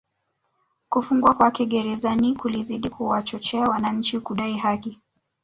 Kufungwa kwake Gerezani kulizidi kuwachochea wananchi kudai haki